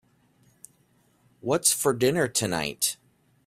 What's for dinner tonight?